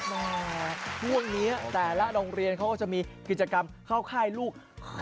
แม่ช่วงนี้แต่ละโรงเรียนเขาก็จะมีกิจกรรมเข้าค่ายลูก